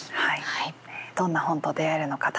どんな本と出会えるのか楽しみです。